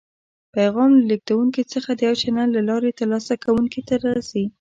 پیغام له لیږدونکي څخه د یو چینل له لارې تر لاسه کوونکي ته رسي.